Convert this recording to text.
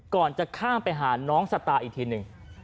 ก่อนจะข้ามไปหาน้องสตาอีกทีหนึ่ง